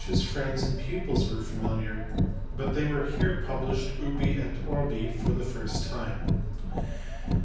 his friends and pupils were familiar, but they were here pub lished urbi et orbi for the first time.